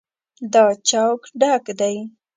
دا چوک ډک دی.